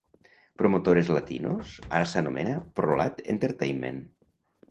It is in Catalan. Promotores Latinos ara s'anomena ProLat Entertainment.